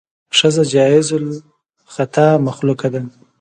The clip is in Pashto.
ښځه جایز الخطا مخلوقه ده.